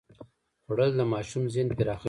خوړل د ماشوم ذهن پراخوي